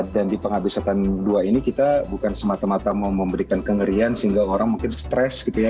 dan di penghabisatan dua ini kita bukan semata mata memberikan kengerian sehingga orang mungkin stres gitu ya